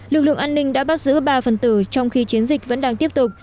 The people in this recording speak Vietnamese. lực lượng an ninh đã bắt giữ ba phần tử trong khi chiến dịch vẫn đang tiếp tục